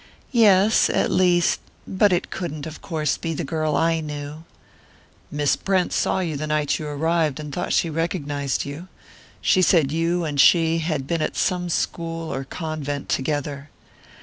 "Yes at least but it couldn't, of course, be the girl I knew " "Miss Brent saw you the night you arrived, and thought she recognized you. She said you and she had been at some school or convent together."